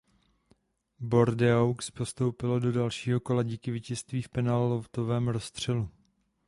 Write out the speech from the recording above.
Bordeaux postoupilo do dalšího kola díky vítězství v penaltovém rozstřelu.